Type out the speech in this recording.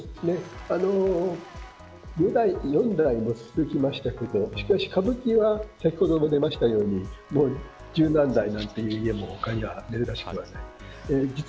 四代も続きましたけど歌舞伎は先ほども出ましたように十何代という家も他では珍しくありません。